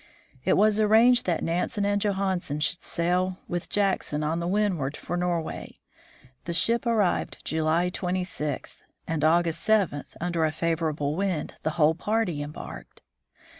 It was arranged that Nansen and Johansen should sail with Jackson on the Windward for Norway. The* ship arrived July 26, and August 7, under a favorable wind, the whole party embarked.